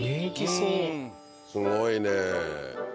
すごいね！